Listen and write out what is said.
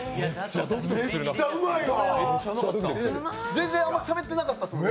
全然しゃべってなかったですもんね。